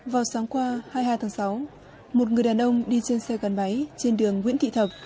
vào sáng qua hai mươi hai tháng sáu một người đàn ông đi trên xe gắn máy trên đường nguyễn thị thực